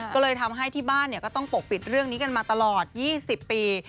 ก็เลยทำให้ที่บ้านก็ต้องปกปิดเรื่องนี้กันมาตลอด๒๐ปี